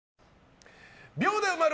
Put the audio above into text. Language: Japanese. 秒で埋まる！